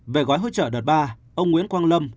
về gói hỗ trợ đợt ba ông nguyễn quang lâm